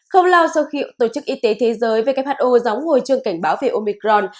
không lao sâu khiệu tổ chức y tế thế giới who gióng hồi trường cảnh báo về omicron